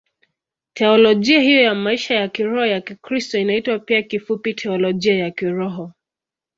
Teolojia hiyo ya maisha ya kiroho ya Kikristo inaitwa pia kifupi Teolojia ya Kiroho.